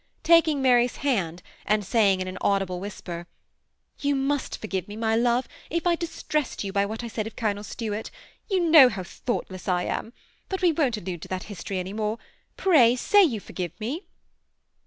Taking Mary's hand, and saying, in an audible whisper, " You must forgive me, my love, if I distressed you by what I said of Colonel Stuart. You know how thoughtless I am; but we won't allude to that history any more. Pray say you forgive me.